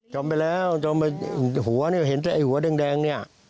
จมไปแล้วจมไปหัวนี่เห็นแค่หัวแดงนี่